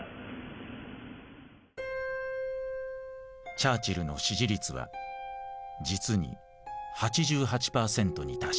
チャーチルの支持率は実に８８％に達した。